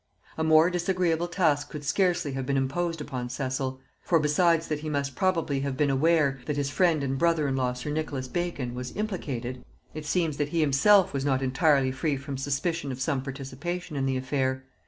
A more disagreeable task could scarcely have been imposed upon Cecil; for, besides that he must probably have been aware that his friend and brother in law sir Nicholas Bacon was implicated, it seems that he himself was not entirely free from suspicion of some participation in the affair.